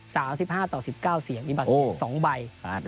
สาว๑๕ต่อ๑๙เสียงมีบัตร๒ใบ